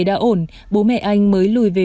đã ổn bố mẹ anh mới lùi về